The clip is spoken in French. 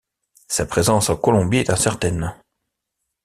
Sa présence en Colombie est incertaine.